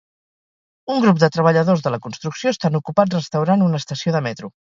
un grup de treballadors de la construcció estan ocupats restaurant una estació de metro.